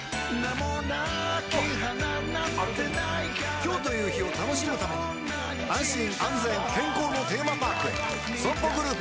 今日という日を楽しむために安心安全健康のテーマパークへＳＯＭＰＯグループ